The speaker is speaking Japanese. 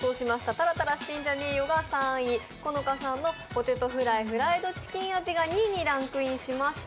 タラタラしてんじゃねよが３位、好花さんのポテトフライ・フライドチキン味が２位にランクインしました。